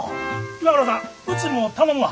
岩倉さんうちも頼むわ。